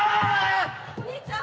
お兄ちゃん！